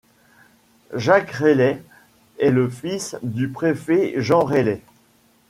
Jacques Reiller est le fils du préfet Jean Reiller.